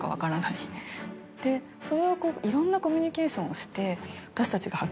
でそれをいろんなコミュニケーションをして。